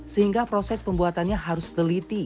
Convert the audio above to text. sehingga proses pembuatannya harus teliti